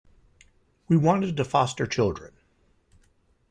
We wanted to foster children.